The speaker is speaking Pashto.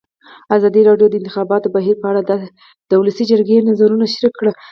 ازادي راډیو د د انتخاباتو بهیر په اړه د ولسي جرګې نظرونه شریک کړي.